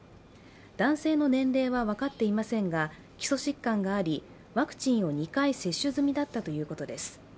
男性の年齢は分かっていませんが基礎疾患があり、ワクチンを２回接種済みだったということです。